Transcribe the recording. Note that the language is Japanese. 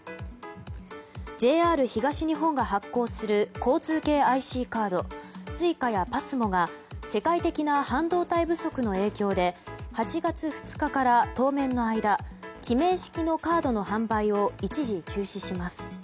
ＪＲ東日本が発行する交通系ＩＣカードＳｕｉｃａやＰＡＳＭＯが世界的な半導体不足の影響で８月２日から当面の間記名式のカードの販売を一時中止します。